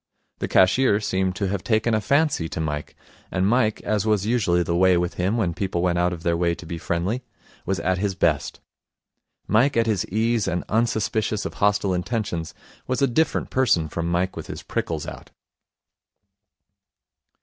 The cashier seemed to have taken a fancy to Mike; and Mike, as was usually the way with him when people went out of their way to be friendly, was at his best. Mike at his ease and unsuspicious of hostile intentions was a different person from Mike with his prickles out.